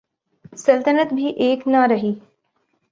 سلطنت بھی ایک نہ رہی۔